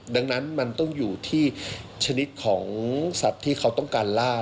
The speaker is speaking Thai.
ดังนั้นมันต้องอยู่ที่ชนิดของสัตว์ที่เขาต้องการล่า